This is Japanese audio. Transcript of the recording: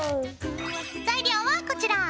材料はこちら！